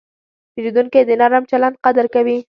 پیرودونکی د نرم چلند قدر کوي.